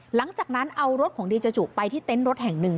หลังจากนั้นเอารถของดีเจจุไปที่เต็นต์รถแห่งหนึ่ง